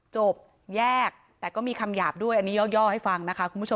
จบแยกแต่ก็มีคำหยาบด้วยอันนี้ย่อให้ฟังนะคะคุณผู้ชม